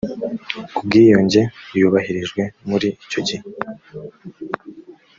ubwiyunge yubahirijwe muri icyo gihe